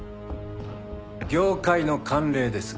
業界の慣例です。